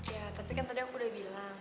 ya tapi kan tadi aku udah bilang